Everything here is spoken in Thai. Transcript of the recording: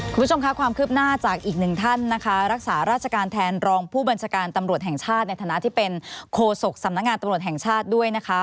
คุณผู้ชมค่ะความคืบหน้าจากอีกหนึ่งท่านนะคะรักษาราชการแทนรองผู้บัญชาการตำรวจแห่งชาติในฐานะที่เป็นโคศกสำนักงานตำรวจแห่งชาติด้วยนะคะ